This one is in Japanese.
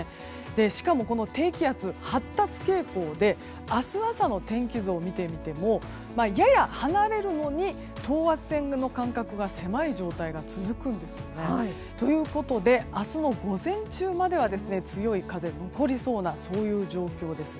しかもこの低気圧、発達傾向で明日朝の天気図を見てみてもやや離れるのに等圧線の間隔が狭い状態が続くんですね。ということで明日の午前中までは強い風、残りそうなそういう状況です。